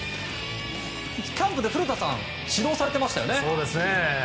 キャンプで古田さん指導されていましたね。